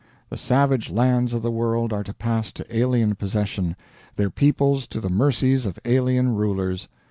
The savage lands of the world are to pass to alien possession, their peoples to the mercies of alien rulers.